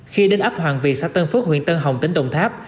khi đến ấp hoàng vị xã tân phước huyện tân hồng tỉnh đồng tháp